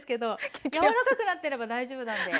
柔らかくなってれば大丈夫なんで。